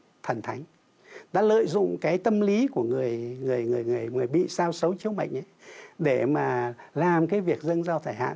đã buôn bánh thần thánh đã lợi dụng cái tâm lý của người bị sao xấu chiếu mệnh để mà làm cái việc dâng sao giải hạn